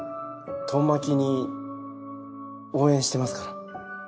遠巻きに応援してますから。